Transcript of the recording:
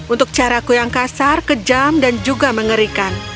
untuk caraku yang kasar kejam dan juga mengerikan